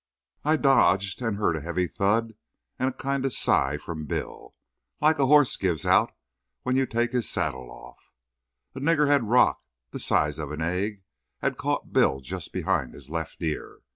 I dodged, and heard a heavy thud and a kind of a sigh from Bill, like a horse gives out when you take his saddle off. A niggerhead rock the size of an egg had caught Bill just behind his left ear.